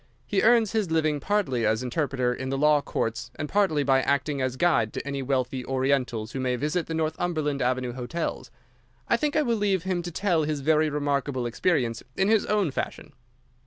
He earns his living partly as interpreter in the law courts and partly by acting as guide to any wealthy Orientals who may visit the Northumberland Avenue hotels. I think I will leave him to tell his very remarkable experience in his own fashion."